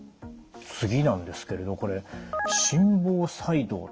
次なんですけれどこれ心房細動。